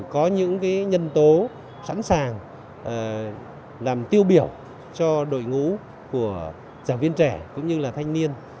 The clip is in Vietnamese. có những nhân tố sẵn sàng làm tiêu biểu cho đội ngũ của giảng viên trẻ cũng như là thanh niên